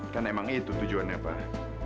kan emang itu tujuannya pak